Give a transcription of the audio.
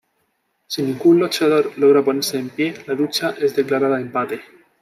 Si ningún luchador logra ponerse de pie, la lucha es declarada empate.